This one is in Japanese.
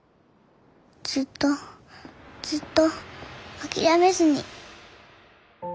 ずっとずっと諦めずに。